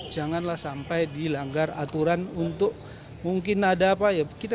janganlah sampai dilanggar aturan untuk mungkin ada apa ya